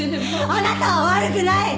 あなたは悪くない！